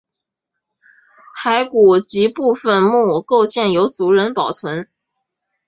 骸骨及部分墓构件由族人保存。